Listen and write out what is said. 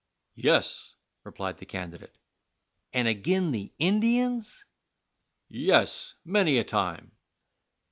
"Yes," replied the candidate. "And agin the Indians?" "Yes, many a time."